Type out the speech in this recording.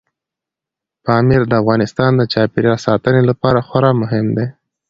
پامیر د افغانستان د چاپیریال ساتنې لپاره خورا مهم دی.